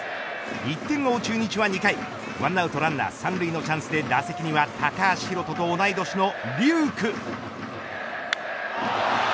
１点を追う中日は２回１アウトランナー三塁のチャンスで打席には高橋宏斗と同い年の龍空。